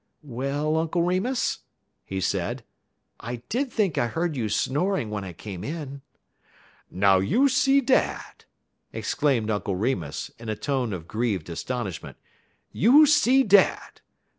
"Well, Uncle Remus," he said, "I did think I heard you snoring when I came in." "Now you see dat!" exclaimed Uncle Remus, in a tone of grieved astonishment; "you see dat!